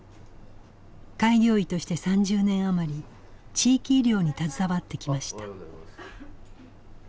開業医として３０年余り地域医療に携わってきました。